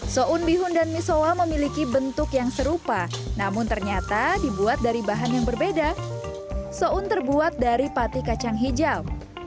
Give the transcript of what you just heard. soun bihun dan misoa memiliki bentuk yang serupa namun ternyata dibuat dari bahan yang berbeda soun ⁇ terbuat dari pati kacang hijau